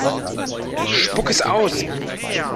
Spuck es aus!